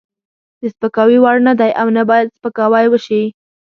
د سپکاوي وړ نه دی او نه باید سپکاوی وشي.